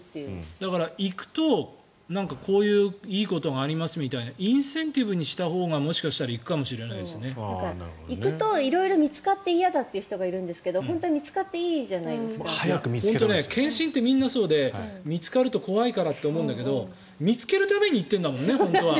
行くと、こういういいことがありますみたいなインセンティブにしたほうがもしかしたら行くと色々見つかって嫌だという人がいるんですけど本当は見つかって検診ってみんなそうで見つかると怖いからと思うんだけど見つけるために行ってるんだもんね。